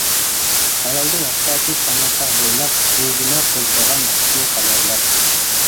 تارالدى ھەتتاكى تەڭرىتاغ بويلاپ، زىلزىلە قوزغىغان ئۇچۇر، خەۋەرلەر.